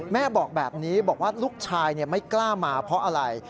แม่บอกแบบนี้บอกว่าลูกชายไม่กล้ามาเพราะอะไร